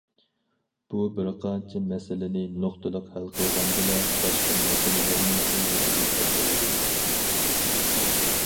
بۇ بىر قانچە مەسىلىنى نۇقتىلىق ھەل قىلغاندىلا، باشقا مەسىلىلەرمۇ ئۆزلۈكىدىن ھەل بولىدۇ، دېدى.